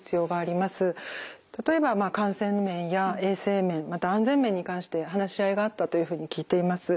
例えば感染面や衛生面また安全面に関して話し合いがあったというふうに聞いています。